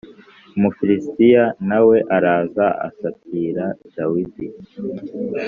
Umufilisitiya na we araza asatira Dawidi